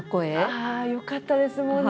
よかったですもんね！